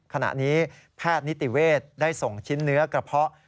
ขณะนี้แพทย์นิติเวศได้ส่งชิ้นเนื้อกระเพาะ